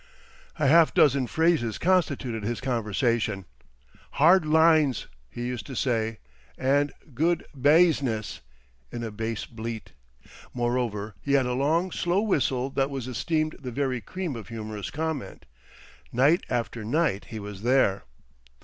A half dozen phrases constituted his conversation: "hard lines!" he used to say, and "Good baazness," in a bass bleat. Moreover, he had a long slow whistle that was esteemed the very cream of humorous comment. Night after night he was there.